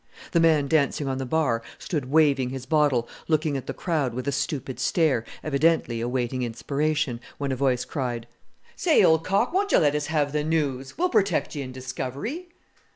The man dancing on the bar stood waving his bottle, looking at the crowd with a stupid stare, evidently awaiting inspiration, when a voice cried, "Say! old cock, won't you let us have the news? We'll protect you in discovery."